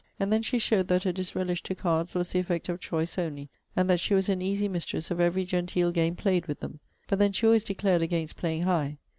And then she showed that her disrelish to cards was the effect of choice only; and that she was an easy mistress of every genteel game played with them. But then she always declared against playing high.